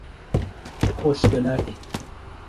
خوشگلک